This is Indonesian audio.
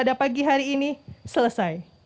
pada pagi hari ini selesai